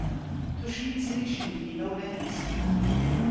Tucmit-nni i icemmten imawlan-is.